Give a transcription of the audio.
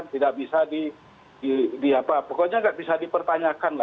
tidak bisa dipertanyakan